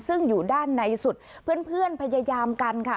ซึ่งอยู่ด้านในสุดเพื่อนพยายามกันค่ะ